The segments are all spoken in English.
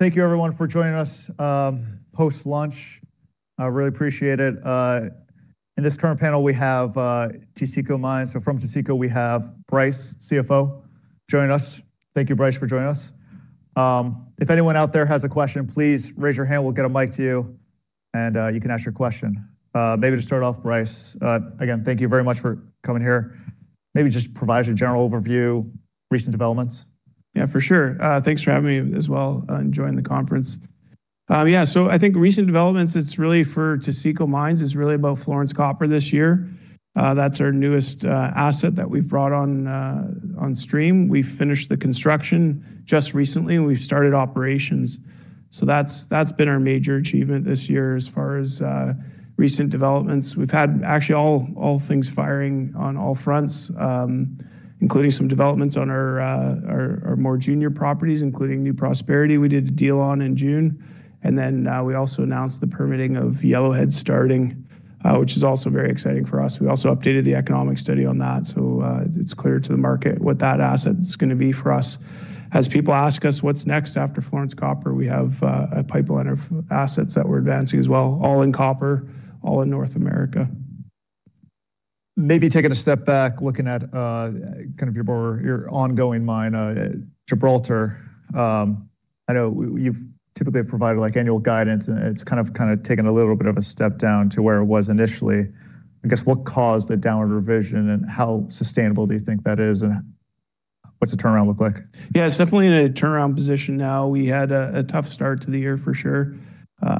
Thank you, everyone, for joining us post-lunch. I really appreciate it. In this current panel, we have Taseko Mines. So, from Taseko, we have Bryce, CFO, joining us. Thank you, Bryce, for joining us. If anyone out there has a question, please raise your hand. We'll get a mic to you, and you can ask your question. Maybe to start off, Bryce, again, thank you very much for coming here. Maybe just provide a general overview, recent developments. Yeah, for sure. Thanks for having me as well, and joining the conference. Yeah, so I think recent developments, it's really for Taseko Mines, is really about Florence Copper this year. That's our newest asset that we've brought on stream. We finished the construction just recently, and we've started operations. So that's been our major achievement this year as far as recent developments. We've had actually all things firing on all fronts, including some developments on our more junior properties, including New Prosperity. We did a deal on in June. And then, we also announced the permitting of Yellowhead starting, which is also very exciting for us. We also updated the economic study on that. So, it's clear to the market what that asset's going to be for us. As people ask us what's next after Florence Copper, we have a pipeline of assets that we're advancing as well, all in copper, all in North America. Maybe taking a step back, looking at kind of your ongoing mine, Gibraltar. I know you've typically provided like annual guidance, and it's kind of taken a little bit of a step down to where it was initially. I guess, what caused the downward revision, and how sustainable do you think that is, and what's the turnaround look like? Yeah, it's definitely in a turnaround position now. We had a tough start to the year, for sure.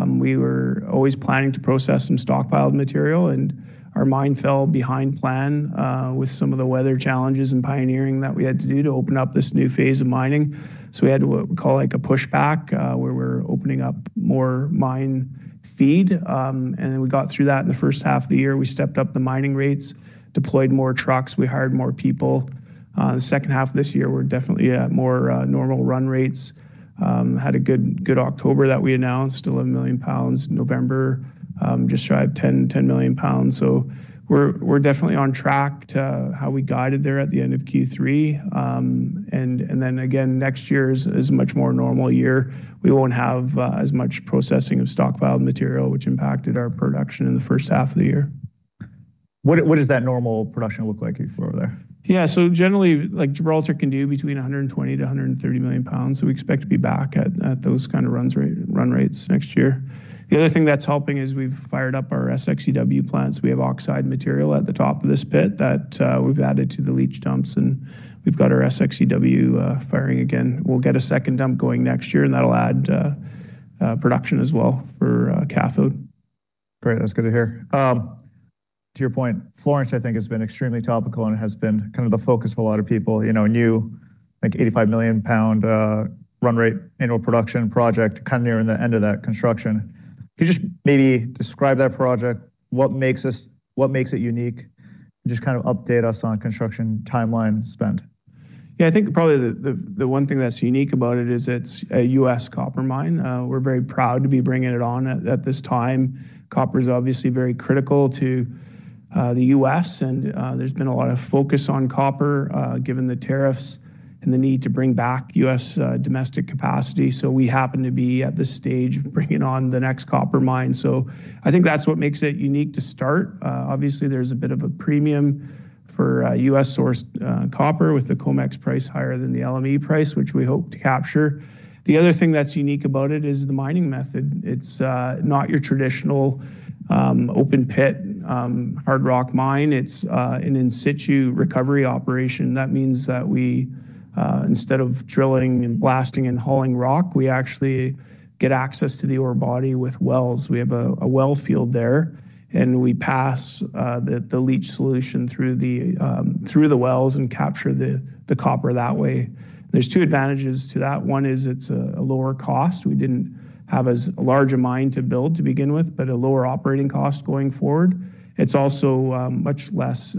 We were always planning to process some stockpiled material, and our mine fell behind plan, with some of the weather challenges and pioneering that we had to do to open up this new phase of mining. So we had what we call like a pushback, where we're opening up more mine feed. Then we got through that in the first half of the year. We stepped up the mining rates, deployed more trucks, we hired more people. The second half of this year, we're definitely more normal run rates. We had a good, good October that we announced, 11 million lbs in November, just shy of 10, 10 million lbs. So we're definitely on track to how we guided there at the end of Q3. And then again, next year is a much more normal year. We won't have as much processing of stockpiled material, which impacted our production in the first half of the year. What does that normal production look like for there? Yeah, so generally, like Gibraltar can do between 120 million lbs-130 million lbs. So we expect to be back at those kind of run rates next year. The other thing that's helping is we've fired up our SX/EW plants. We have oxide material at the top of this pit that we've added to the leach dumps, and we've got our SX/EW firing again. We'll get a second dump going next year, and that'll add production as well for cathode. Great. That's good to hear. To your point, Florence, I think has been extremely topical and has been kind of the focus of a lot of people, you know, a new, like, 85 million lbs, run rate annual production project kind of nearing the end of that construction. Could you just maybe describe that project? What makes it, what makes it unique? Just kind of update us on construction timeline spend. Yeah, I think probably the one thing that's unique about it is it's a U.S. copper mine. We're very proud to be bringing it on at this time. Copper's obviously very critical to the U.S., and there's been a lot of focus on copper, given the tariffs and the need to bring back U.S. domestic capacity. So we happen to be at this stage of bringing on the next copper mine. So I think that's what makes it unique to start. Obviously, there's a bit of a premium for U.S. sourced copper with the COMEX price higher than the LME price, which we hope to capture. The other thing that's unique about it is the mining method. It's not your traditional open pit hard rock mine. It's an in-situ recovery operation. That means that we, instead of drilling and blasting and hauling rock, we actually get access to the ore body with wells. We have a well field there, and we pass the leach solution through the wells and capture the copper that way. There's two advantages to that. One is it's a lower cost. We didn't have as large a mine to build to begin with, but a lower operating cost going forward. It's also much less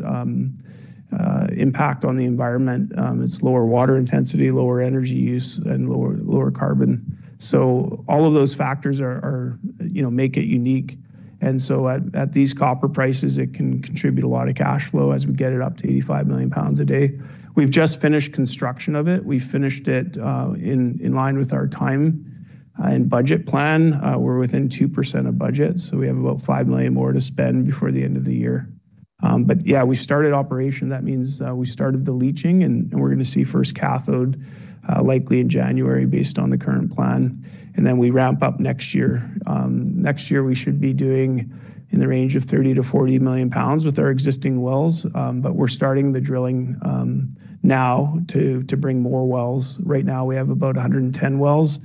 impact on the environment. It's lower water intensity, lower energy use, and lower carbon. So all of those factors are, you know, make it unique. And so at these copper prices, it can contribute a lot of cash flow as we get it up to 85 million lbs a day. We've just finished construction of it. We finished it in line with our time and budget plan. We're within 2% of budget, so we have about $5 million more to spend before the end of the year. Yeah, we started operation. That means we started the leaching, and we're going to see first cathode likely in January based on the current plan. Then we ramp up next year. Next year we should be doing in the range of 30 million lbs-40 million lbs with our existing wells. We're starting the drilling now to bring more wells. Right now we have about 110 wells,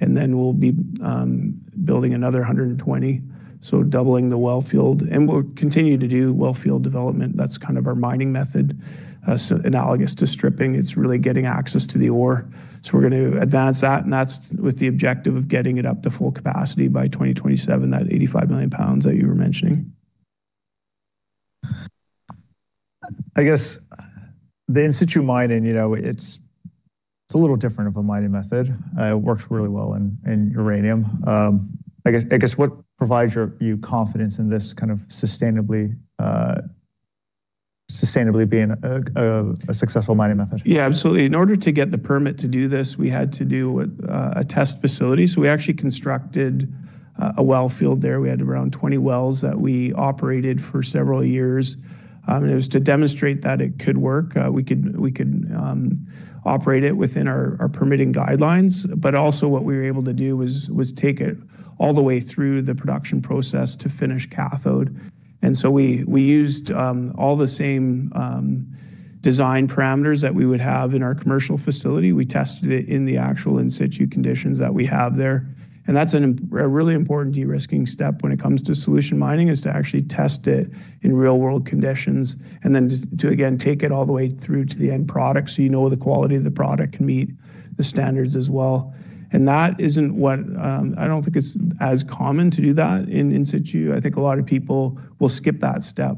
and then we'll be building another 120. So doubling the well field, and we'll continue to do well field development. That's kind of our mining method, so analogous to stripping. It's really getting access to the ore. So we're going to advance that, and that's with the objective of getting it up to full capacity by 2027, that 85 million lbs that you were mentioning. I guess the In-Situ Mining, you know, it's a little different of a mining method. It works really well in uranium. I guess what provides your confidence in this kind of sustainability being a successful mining method? Yeah, absolutely. In order to get the permit to do this, we had to do a test facility. So we actually constructed a well field there. We had around 20 wells that we operated for several years, and it was to demonstrate that it could work. We could operate it within our permitting guidelines, but also what we were able to do was take it all the way through the production process to finish cathode, and so we used all the same design parameters that we would have in our commercial facility. We tested it in the actual In-Situ conditions that we have there. That's a really important de-risking step when it comes to solution mining is to actually test it in real-world conditions and then to, again, take it all the way through to the end product so you know the quality of the product can meet the standards as well. And that isn't what, I don't think it's as common to do that in In-Situ. I think a lot of people will skip that step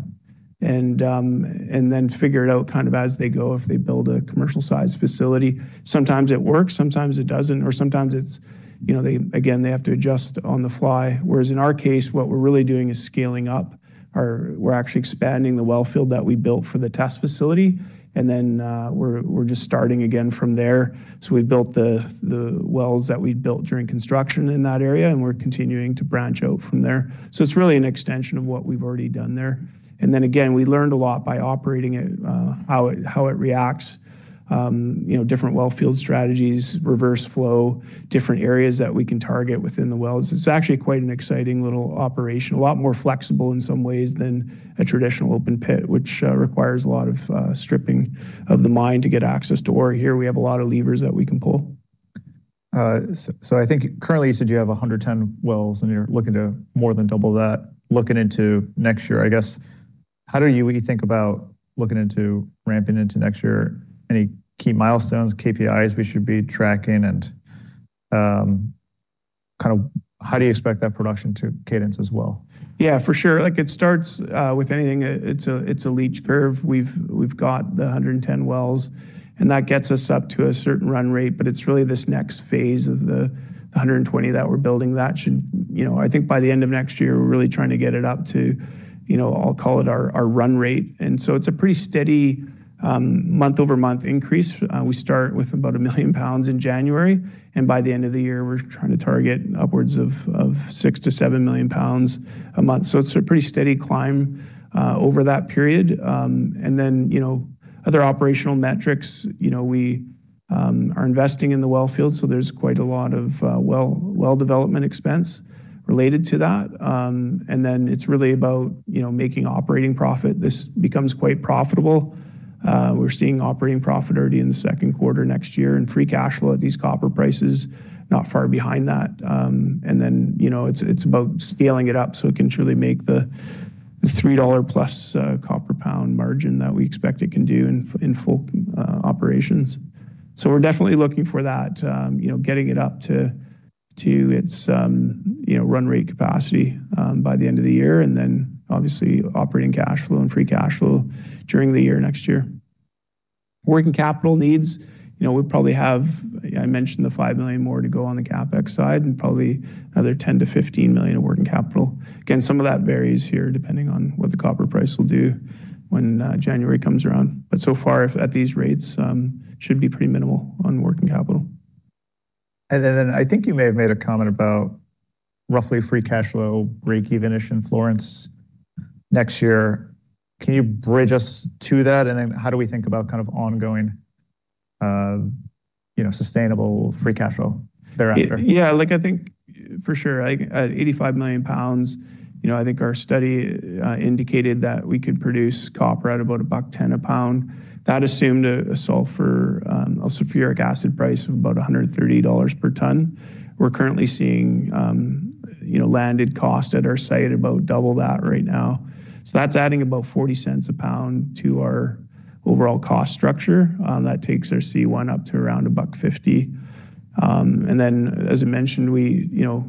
and then figure it out kind of as they go if they build a commercial-sized facility. Sometimes it works, sometimes it doesn't, or sometimes it's, you know, they again have to adjust on the fly. Whereas in our case, what we're really doing is scaling up. We're actually expanding the well field that we built for the test facility, and then we're just starting again from there. So we've built the wells that we built during construction in that area, and we're continuing to branch out from there. So it's really an extension of what we've already done there. And then again, we learned a lot by operating it, how it reacts, you know, different well field strategies, reverse flow, different areas that we can target within the wells. It's actually quite an exciting little operation, a lot more flexible in some ways than a traditional open pit, which requires a lot of stripping of the mine to get access to ore. Here we have a lot of levers that we can pull. So, I think currently you said you have 110 wells and you're looking to more than double that, looking into next year. I guess how do you think about looking into ramping into next year? Any key milestones, KPIs we should be tracking and, kind of how do you expect that production to cadence as well? Yeah, for sure. Like it starts with anything. It's a leach curve. We've got the 110 wells, and that gets us up to a certain run rate, but it's really this next phase of the 120 that we're building that should, you know, I think by the end of next year, we're really trying to get it up to, you know, I'll call it our run rate, and so it's a pretty steady month-over-month increase. We start with about a 1 million lbs in January, and by the end of the year, we're trying to target upwards of six million lbs to 7 million lbs a month. So it's a pretty steady climb over that period, and then, you know, other operational metrics, you know, we are investing in the well field, so there's quite a lot of well development expense related to that. And then it's really about, you know, making operating profit. This becomes quite profitable. We're seeing operating profit already in the second quarter next year and free cash flow at these copper prices, not far behind that. And then, you know, it's about scaling it up so it can truly make the $3+ copper pound margin that we expect it can do in full operations. So we're definitely looking for that, you know, getting it up to its run rate capacity by the end of the year, and then obviously operating cash flow and free cash flow during the year next year. Working capital needs, you know, we probably have. I mentioned the five million more to go on the CapEx side and probably another 10 million to 15 million of working capital. Again, some of that varies here depending on what the copper price will do when January comes around. But so far, if at these rates, should be pretty minimal on working capital. And then I think you may have made a comment about roughly free cash flow break evenish in Florence next year. Can you bridge us to that? And then how do we think about kind of ongoing, you know, sustainable free cash flow thereafter? Yeah, like I think for sure, 85 million lbs, you know, I think our study indicated that we could produce copper at about $1.10 a pound. That assumed a sulfuric acid price of about $130 per ton. We're currently seeing, you know, landed cost at our site about double that right now. So that's adding about $0.40 a pound to our overall cost structure. That takes our C1 up to around $1.50. And then, as I mentioned, we, you know,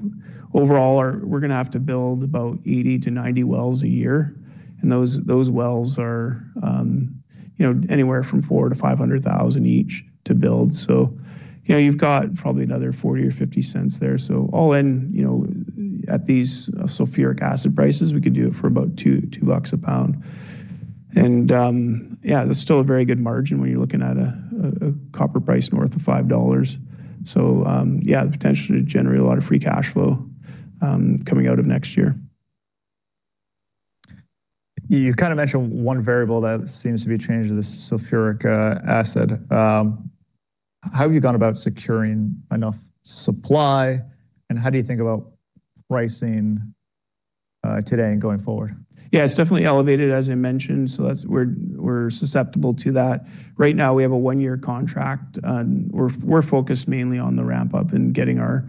overall, we're going to have to build about 80-90 wells a year. And those wells are, you know, anywhere from 400,000 to 500,000 each to build. So, you know, you've got probably another $0.40-$0.50 there. So all in, you know, at these sulfuric acid prices, we could do it for about $2 a pound. And, yeah, that's still a very good margin when you're looking at a copper price north of $5. So, yeah, the potential to generate a lot of free cash flow coming out of next year. You kind of mentioned one variable that seems to be changed to this sulfuric acid. How have you gone about securing enough supply and how do you think about pricing, today and going forward? Yeah, it's definitely elevated, as I mentioned. So that's, we're susceptible to that. Right now we have a one-year contract, and we're focused mainly on the ramp up and getting our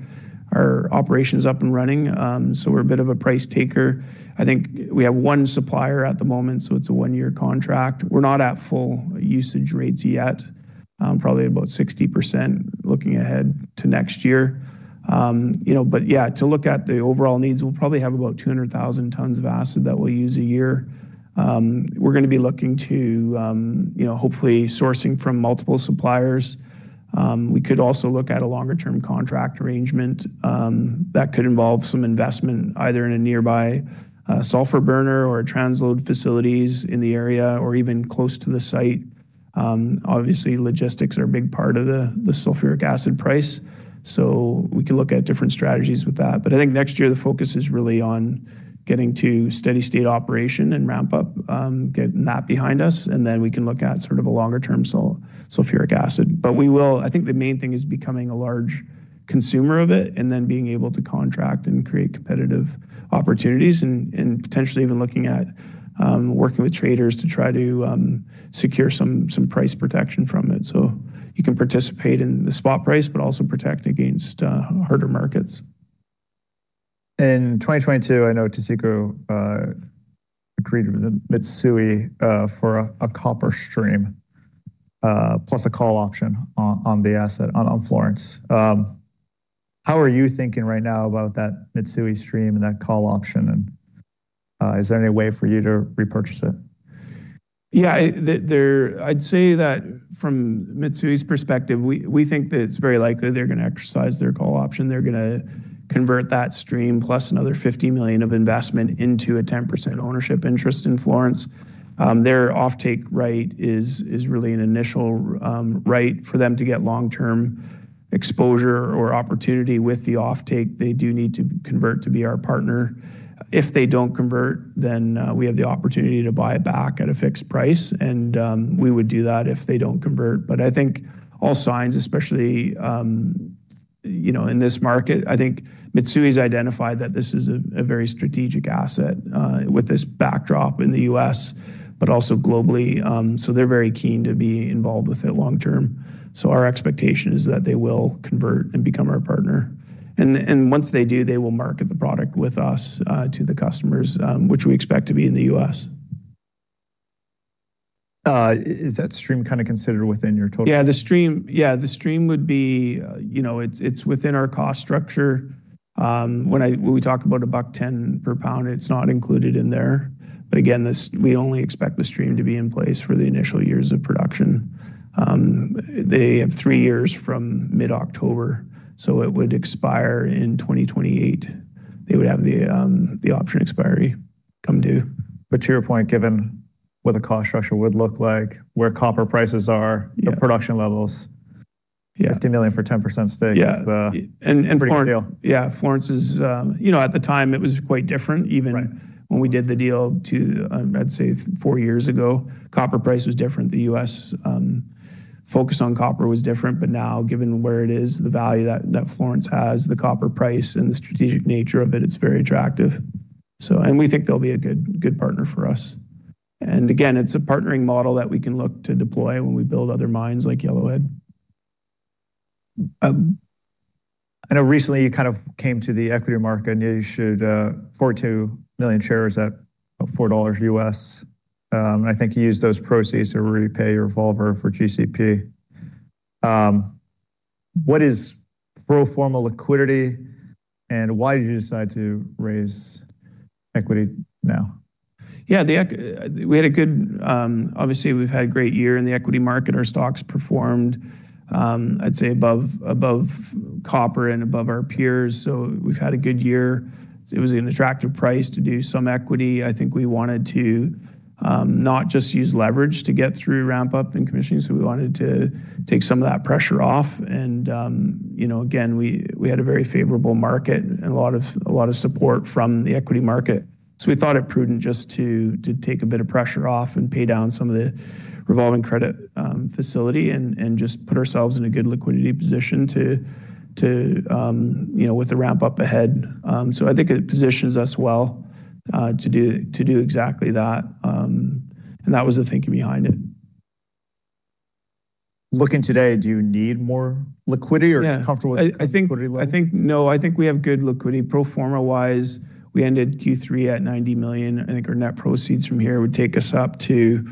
operations up and running. So we're a bit of a price taker. I think we have one supplier at the moment, so it's a one-year contract. We're not at full usage rates yet, probably about 60% looking ahead to next year. You know, but yeah, to look at the overall needs, we'll probably have about 200,000 tons of acid that we'll use a year. We're going to be looking to, you know, hopefully sourcing from multiple suppliers. We could also look at a longer-term contract arrangement, that could involve some investment either in a nearby sulfur burner or transload facilities in the area or even close to the site. Obviously, logistics are a big part of the sulfuric acid price. So we could look at different strategies with that. But I think next year the focus is really on getting to steady state operation and ramp up, getting that behind us. And then we can look at sort of a longer-term sulfuric acid. But we will. I think the main thing is becoming a large consumer of it and then being able to contract and create competitive opportunities and potentially even looking at working with traders to try to secure some price protection from it. So you can participate in the spot price, but also protect against harder markets. In 2022, I know Taseko agreed with Mitsui for a copper stream, plus a call option on the asset on Florence. How are you thinking right now about that Mitsui stream and that call option? And, is there any way for you to repurchase it? Yeah, there, I'd say that from Mitsui's perspective, we think that it's very likely they're going to exercise their call option. They're going to convert that stream plus another $50 million of investment into a 10% ownership interest in Florence. Their offtake right is really an initial right for them to get long-term exposure or opportunity with the offtake. They do need to convert to be our partner. If they don't convert, then we have the opportunity to buy it back at a fixed price. And we would do that if they don't convert. But I think all signs, especially, you know, in this market, I think Mitsui's identified that this is a very strategic asset, with this backdrop in the U.S., but also globally. So they're very keen to be involved with it long-term. So our expectation is that they will convert and become our partner. Once they do, they will market the product with us, to the customers, which we expect to be in the U.S. Is that stream kind of considered within your total? Yeah, the stream, yeah, the stream would be, you know, it's, it's within our cost structure. When I, when we talk about $1.10 per pound, it's not included in there. But again, this, we only expect the stream to be in place for the initial years of production. They have three years from mid-October, so it would expire in 2028. They would have the, the option expiry come due. But to your point, given what the cost structure would look like, where copper prices are, the production levels. Yeah, $50 million for 10% stake. Yeah. And, and, and. Florence, yeah, Florence is, you know, at the time it was quite different. Even when we did the deal to, I'd say four years ago, copper price was different. The U.S. focus on copper was different. But now, given where it is, the value that Florence has, the copper price and the strategic nature of it, it's very attractive. So, and we think they'll be a good partner for us. And again, it's a partnering model that we can look to deploy when we build other mines like Yellowhead. I know recently you kind of came to the equity market and you sold 42 million shares at $4 U.S. And I think you used those proceeds to repay your revolver for GCP. What is pro forma liquidity and why did you decide to raise equity now? Yeah, we had a good, obviously we've had a great year in the equity market. Our stocks performed, I'd say above copper and above our peers. So we've had a good year. It was an attractive price to do some equity. I think we wanted to, not just use leverage to get through ramp up and commissioning. So we wanted to take some of that pressure off. And, you know, again, we had a very favorable market and a lot of support from the equity market. So we thought it prudent just to take a bit of pressure off and pay down some of the revolving credit facility and just put ourselves in a good liquidity position to, you know, with the ramp up ahead. So I think it positions us well to do exactly that. and that was the thinking behind it. Looking today, do you need more liquidity or comfortable with liquidity level? I think no. I think we have good liquidity pro forma-wise. We ended Q3 at 90 million. I think our net proceeds from here would take us up to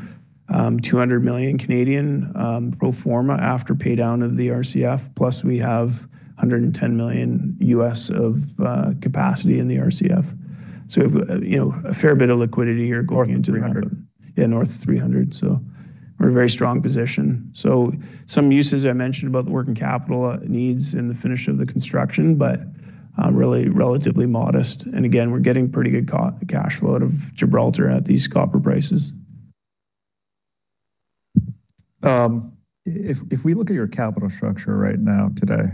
200 million, pro forma after pay down of the RCF. Plus we have $110 million of capacity in the RCF. So we have, you know, a fair bit of liquidity here going into the ramp up. Yeah, north of 300 million. So we're in a very strong position. So some uses I mentioned about the working capital needs in the finish of the construction, but really relatively modest. And again, we're getting pretty good cash flow out of Gibraltar at these copper prices. If we look at your capital structure right now today,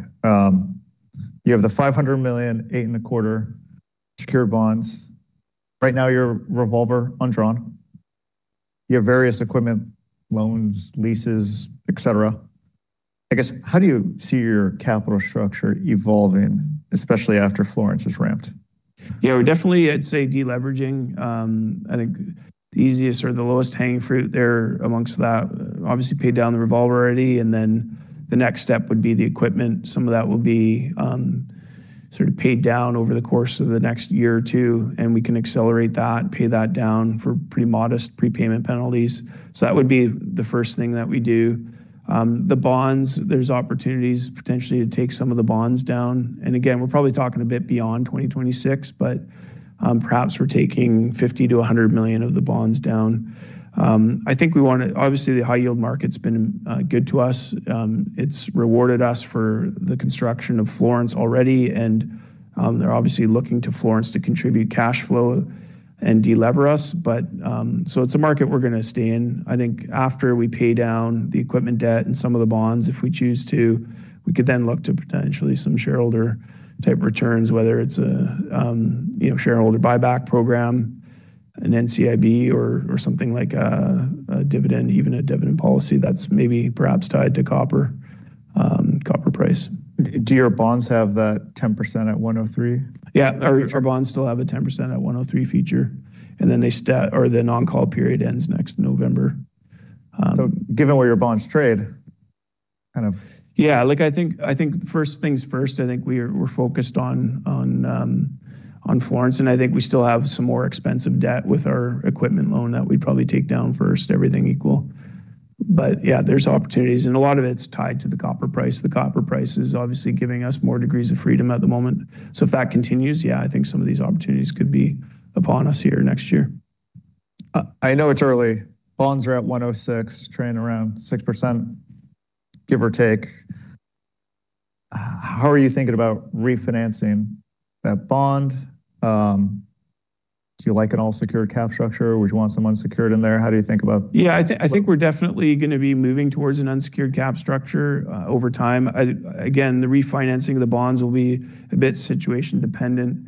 you have the $500 million, 8.25% secured bonds. Right now your revolver undrawn. You have various equipment, loans, leases, et cetera. I guess how do you see your capital structure evolving, especially after Florence has ramped? Yeah, we're definitely, I'd say, deleveraging. I think the easiest or the lowest hanging fruit there amongst that, obviously pay down the revolver already. And then the next step would be the equipment. Some of that will be, sort of paid down over the course of the next year or two. And we can accelerate that, pay that down for pretty modest prepayment penalties. So that would be the first thing that we do. The bonds, there's opportunities potentially to take some of the bonds down. And again, we're probably talking a bit beyond 2026, but, perhaps we're taking $50 million-$100 million of the bonds down. I think we want to, obviously the high yield market's been, good to us. It's rewarded us for the construction of Florence already. And, they're obviously looking to Florence to contribute cash flow and de-lever us. It's a market we're going to stay in. I think after we pay down the equipment debt and some of the bonds, if we choose to, we could then look to potentially some shareholder type returns, whether it's a you know shareholder buyback program, an NCIB or something like a dividend, even a dividend policy that's maybe perhaps tied to copper price. Do your bonds have that 10% at 103? Yeah, our bonds still have a 10% at 103 feature, and then the non-call period ends next November. So given where your bonds trade, kind of. Yeah, look, I think first things first, I think we are focused on Florence. And I think we still have some more expensive debt with our equipment loan that we'd probably take down first, everything equal. But yeah, there's opportunities and a lot of it's tied to the copper price. The copper price is obviously giving us more degrees of freedom at the moment. So if that continues, yeah, I think some of these opportunities could be upon us here next year. I know it's early. Bonds are at 106, trading around 6%, give or take. How are you thinking about refinancing that bond? Do you like an all secured capital structure or would you want some unsecured in there? How do you think about? Yeah, I think we're definitely going to be moving towards an unsecured cap structure over time. Again, the refinancing of the bonds will be a bit situation dependent.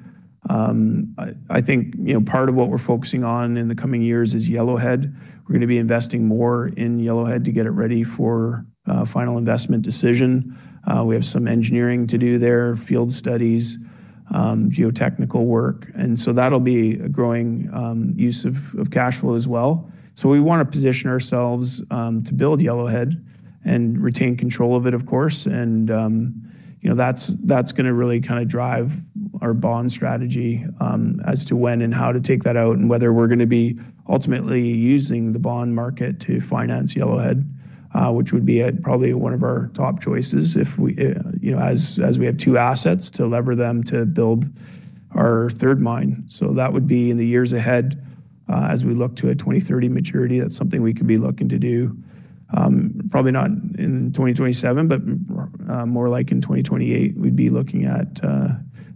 I think, you know, part of what we're focusing on in the coming years is Yellowhead. We're going to be investing more in Yellowhead to get it ready for final investment decision. We have some engineering to do there, field studies, geotechnical work. And so that'll be a growing use of cash flow as well. So we want to position ourselves to build Yellowhead and retain control of it, of course. You know, that's going to really kind of drive our bond strategy, as to when and how to take that out and whether we're going to be ultimately using the bond market to finance Yellowhead, which would be probably one of our top choices if we, you know, as we have two assets to lever them to build our third mine. So that would be in the years ahead, as we look to a 2030 maturity, that's something we could be looking to do, probably not in 2027, but more like in 2028, we'd be looking at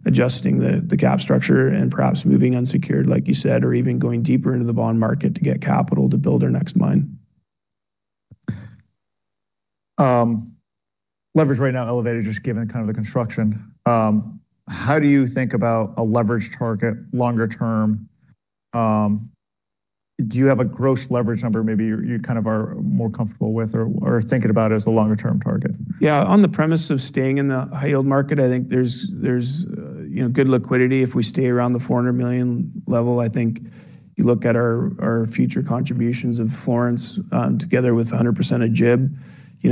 adjusting the cap structure and perhaps moving unsecured, like you said, or even going deeper into the bond market to get capital to build our next mine. Leverage right now elevated, just given kind of the construction. How do you think about a leverage target longer term? Do you have a gross leverage number maybe you kind of are more comfortable with or, or thinking about it as a longer term target? Yeah, on the premise of staying in the high yield market, I think there's, you know, good liquidity if we stay around the 400 million level. I think you look at our future contributions of Florence, together with 100% of Gib, you know,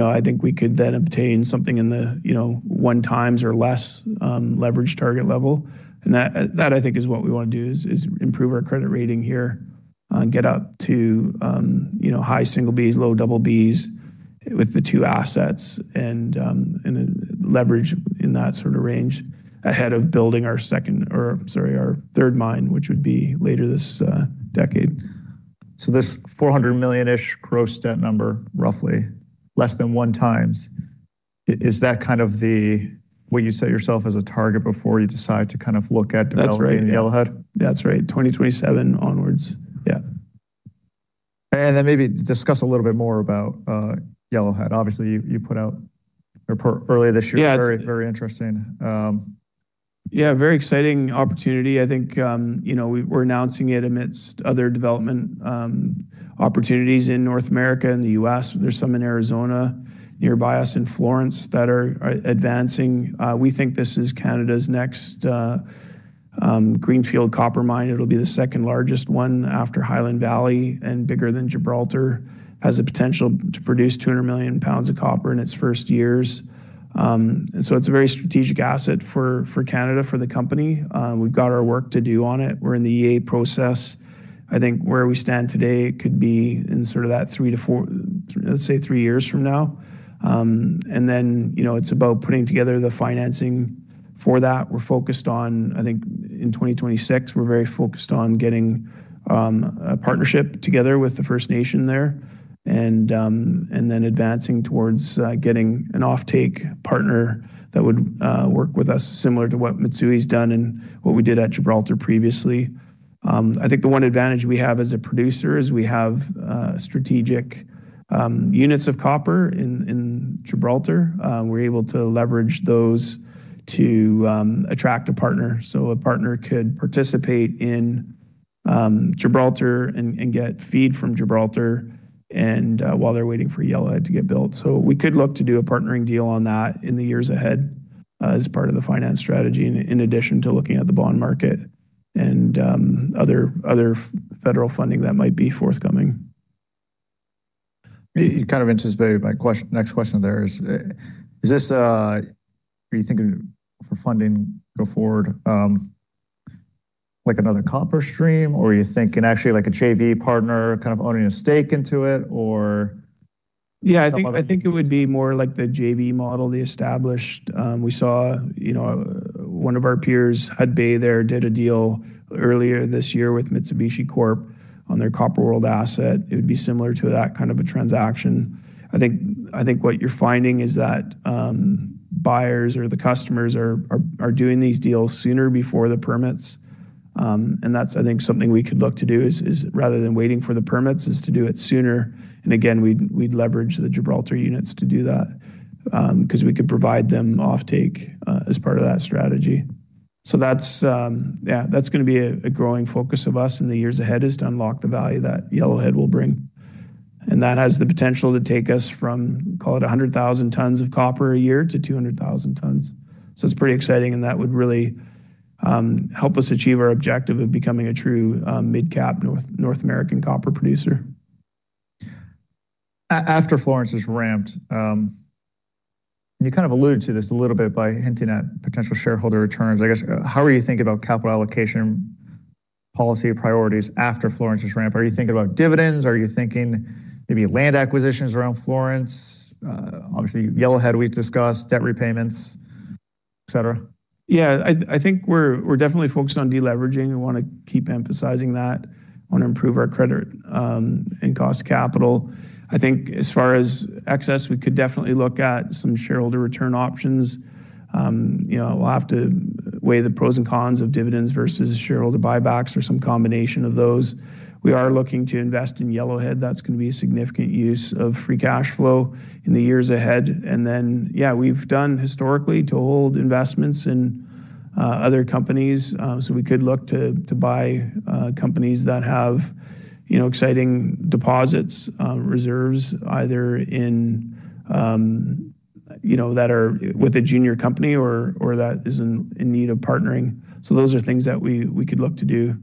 I think we could then obtain something in the, you know, one times or less, leverage target level. And that I think is what we want to do is improve our credit rating here, get up to, you know, high single Bs, low double Bs with the two assets and leverage in that sort of range ahead of building our second or, sorry, our third mine, which would be later this decade. So this 400 million-ish gross debt number, roughly less than one times, is that kind of the, what you set yourself as a target before you decide to kind of look at developing in Yellowhead? That's right. That's right. 2027 onwards. Yeah. And then maybe discuss a little bit more about Yellowhead. Obviously, you put out earlier this year. Yes. Very, very interesting. Yeah, very exciting opportunity. I think, you know, we, we're announcing it amidst other development, opportunities in North America and the U.S. There's some in Arizona nearby us in Florence that are advancing. We think this is Canada's next, Greenfield copper mine. It'll be the second largest one after Highland Valley and bigger than Gibraltar. Has the potential to produce 200 million lbs of copper in its first years. And so it's a very strategic asset for, for Canada, for the company. We've got our work to do on it. We're in the EA process. I think where we stand today could be in sort of that three-to-four, let's say three years from now. And then, you know, it's about putting together the financing for that. We're focused on, I think in 2026, we're very focused on getting, a partnership together with the First Nation there. Advancing towards getting an offtake partner that would work with us similar to what Mitsui's done and what we did at Gibraltar previously. I think the one advantage we have as a producer is we have strategic units of copper in Gibraltar. We're able to leverage those to attract a partner. So a partner could participate in Gibraltar and get feed from Gibraltar while they're waiting for Yellowhead to get built. So we could look to do a partnering deal on that in the years ahead, as part of the finance strategy in addition to looking at the bond market and other federal funding that might be forthcoming. You kind of answered my question. Next question there is, is this, are you thinking for funding go forward, like another copper stream or are you thinking actually like a JV partner kind of owning a stake into it or? Yeah, I think, I think it would be more like the JV model, the established. We saw, you know, one of our peers, Hudbay there, did a deal earlier this year with Mitsubishi Corp on their Copper World asset. It would be similar to that kind of a transaction. I think, I think what you're finding is that, buyers or the customers are, are, are doing these deals sooner before the permits. And that's, I think, something we could look to do is, is rather than waiting for the permits is to do it sooner. And again, we'd, we'd leverage the Gibraltar units to do that, because we could provide them offtake, as part of that strategy. So that's, yeah, that's going to be a, a growing focus of us in the years ahead is to unlock the value that Yellowhead will bring. That has the potential to take us from, call it 100,000 tons of copper a year to 200,000 tons. So it's pretty exciting. That would really help us achieve our objective of becoming a true mid-cap North American copper producer. After Florence is ramped, you kind of alluded to this a little bit by hinting at potential shareholder returns. I guess, how are you thinking about capital allocation policy priorities after Florence is ramped? Are you thinking about dividends? Are you thinking maybe land acquisitions around Florence? Obviously, Yellowhead we've discussed debt repayments, et cetera. Yeah, I think we're definitely focused on deleveraging. We want to keep emphasizing that, want to improve our credit and cost capital. I think as far as excess, we could definitely look at some shareholder return options. You know, we'll have to weigh the pros and cons of dividends versus shareholder buybacks or some combination of those. We are looking to invest in Yellowhead. That's going to be a significant use of free cash flow in the years ahead. And then, yeah, we've done historically to hold investments in other companies. So we could look to buy companies that have, you know, exciting deposits, reserves either in, you know, that are with a junior company or that is in need of partnering. So those are things that we could look to do.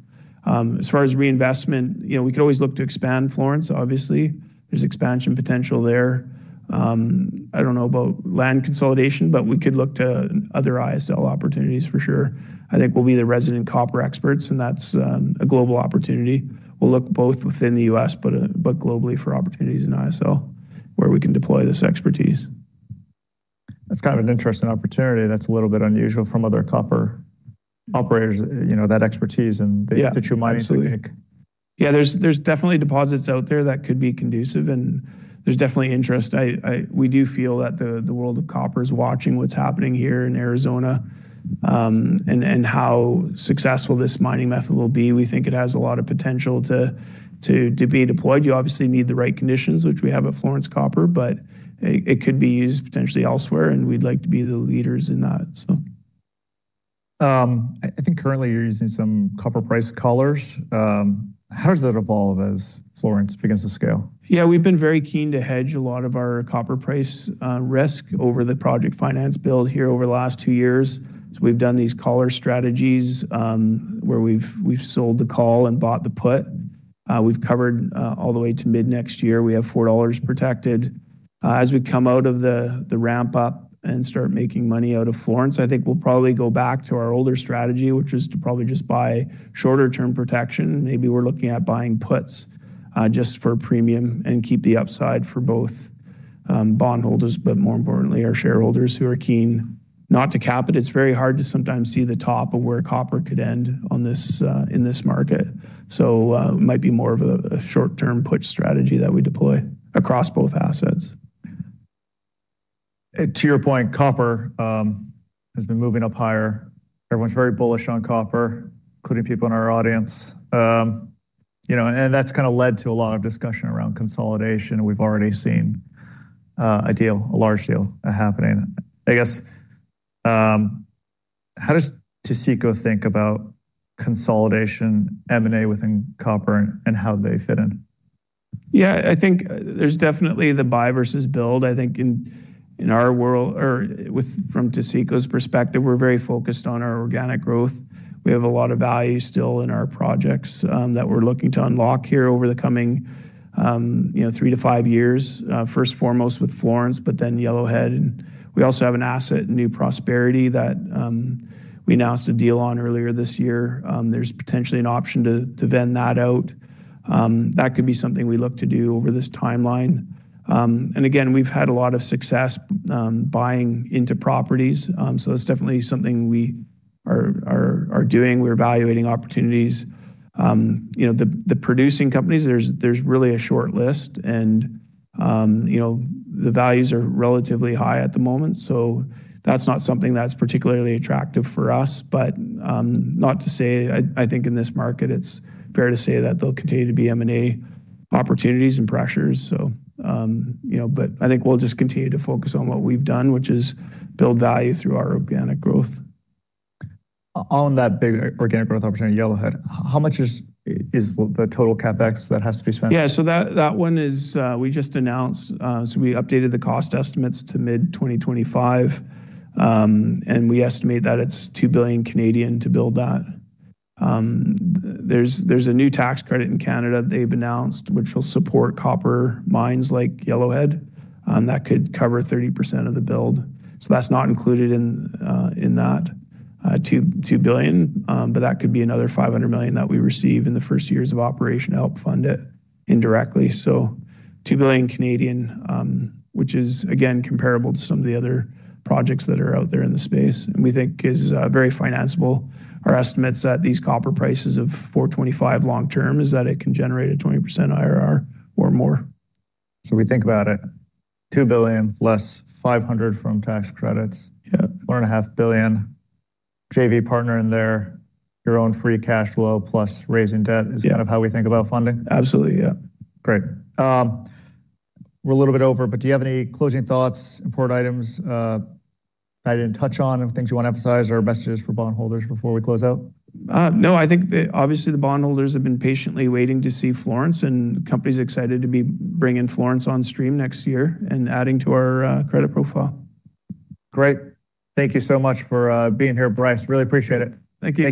As far as reinvestment, you know, we could always look to expand Florence. Obviously there's expansion potential there. I don't know about land consolidation, but we could look to other ISL opportunities for sure. I think we'll be the resident copper experts and that's a global opportunity. We'll look both within the U.S., but globally for opportunities in ISL where we can deploy this expertise. That's kind of an interesting opportunity. That's a little bit unusual from other copper operators, you know, that expertise and the true mining technique. Yeah, there's definitely deposits out there that could be conducive and there's definitely interest. We do feel that the world of copper is watching what's happening here in Arizona, and how successful this mining method will be. We think it has a lot of potential to be deployed. You obviously need the right conditions, which we have at Florence Copper, but it could be used potentially elsewhere and we'd like to be the leaders in that. So. I think currently you're using some copper price collars. How does that evolve as Florence begins to scale? Yeah, we've been very keen to hedge a lot of our copper price risk over the project finance build here over the last two years. So we've done these collar strategies, where we've sold the call and bought the put. We've covered all the way to mid next year. We have $4 protected. As we come out of the ramp up and start making money out of Florence, I think we'll probably go back to our older strategy, which is to probably just buy shorter term protection. Maybe we're looking at buying puts just for premium and keep the upside for both bondholders, but more importantly, our shareholders who are keen not to cap it. It's very hard to sometimes see the top of where copper could end up in this market. So, it might be more of a short term put strategy that we deploy across both assets. To your point, copper has been moving up higher. Everyone's very bullish on copper, including people in our audience. You know, and that's kind of led to a lot of discussion around consolidation. We've already seen a deal, a large deal happening. I guess how does Taseko think about consolidation, M&A within copper and how they fit in? Yeah, I think there's definitely the buy versus build. I think in our world or with, from Taseko's perspective, we're very focused on our organic growth. We have a lot of value still in our projects, that we're looking to unlock here over the coming, you know, three to five years, first and foremost with Florence, but then Yellowhead. And we also have an asset, New Prosperity that, we announced a deal on earlier this year. There's potentially an option to, to vend that out. That could be something we look to do over this timeline. And again, we've had a lot of success, buying into properties. So that's definitely something we are doing. We're evaluating opportunities. You know, the, the producing companies, there's, there's really a short list and, you know, the values are relatively high at the moment. So, that's not something that's particularly attractive for us, but, not to say, I, I think in this market, it's fair to say that they'll continue to be M&A opportunities and pressures. So, you know, but I think we'll just continue to focus on what we've done, which is build value through our organic growth. On that big organic growth opportunity, Yellowhead, how much is the total CapEx that has to be spent? Yeah, so that one is, we just announced, so we updated the cost estimates to mid 2025, and we estimate that it's 2 billion to build that. There's a new tax credit in Canada they've announced, which will support copper mines like Yellowhead. That could cover 30% of the build. So that's not included in that 2 billion, but that could be another 500 million that we receive in the first years of operation to help fund it indirectly. So 2 billion, which is again comparable to some of the other projects that are out there in the space. And we think is very financeable. Our estimates that these copper prices of 425 long term is that it can generate a 20% IRR or more. We think about it, $2 billion, less $500 million from tax credits. Yeah. $1.5 billion JV partner in there, your own free cash flow plus raising debt is kind of how we think about funding. Absolutely. Yeah. Great. We're a little bit over, but do you have any closing thoughts, important items that I didn't touch on, things you want to emphasize or messages for bondholders before we close out? No, I think, obviously the bondholders have been patiently waiting to see Florence and the company's excited to be bringing Florence on stream next year and adding to our credit profile. Great. Thank you so much for being here, Bryce. Really appreciate it. Thank you.